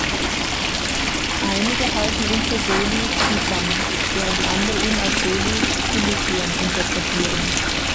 Einige halten ihn für Soli, Zypern, während andere ihn als Soli, Kilikien interpretieren.